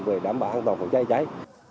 về đảm bảo an toàn của cháy cháy